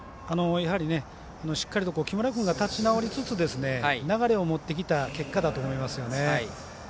やはり、しっかりと木村君が立ち直りつつ流れを持ってきた結果だと思いますよね。